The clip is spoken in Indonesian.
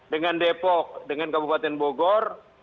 dengan depok dengan kabupaten bogor